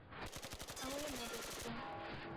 Ew ê nebiriqin.